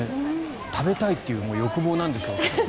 食べたいという欲望なんでしょうけど。